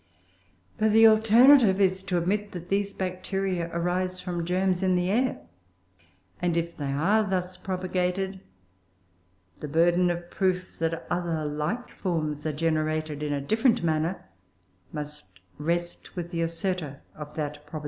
But the alternative is to admit that these Bacteria arise from germs in the air; and if they are thus propagated, the burden of proof that other like forms are generated in a different manner, must rest with the assertor of that proposition.